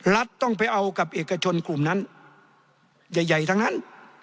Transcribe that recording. รัฐต้องไปเอากับเอกชนกลุ่มนั้นใหญ่ทั้งนั้น